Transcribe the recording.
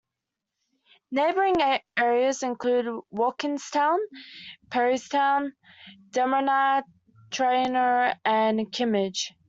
Neighbouring areas include Walkinstown, Perrystown, Drimnagh, Terenure, and Kimmage.